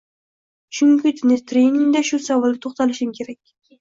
chunki treningda shu savolga toʻxtalishim kerak.